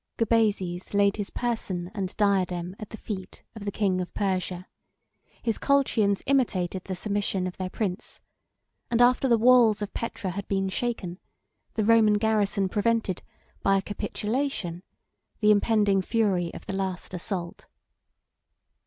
Gubazes laid his person and diadem at the feet of the king of Persia; his Colchians imitated the submission of their prince; and after the walls of Petra had been shaken, the Roman garrison prevented, by a capitulation, the impending fury of the last assault.